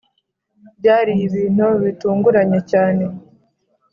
byari ibintu bitunguranye cyane